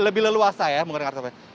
lebih leluasa ya menggoda kartu vaksin